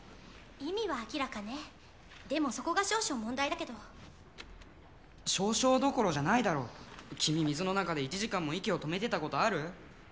意味は明らかねでもそこが少々問題だけど少々どころじゃないだろ君水の中で１時間も息を止めてたことある？